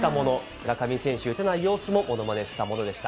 村上選手が打てない様子をものまねしたものでした。